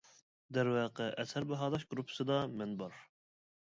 دەرۋەقە ئەسەر باھالاش گۇرۇپپىسىدا مەن بار.